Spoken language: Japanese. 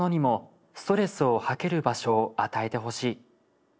「若者にもストレスを吐ける場所を与えて欲しい。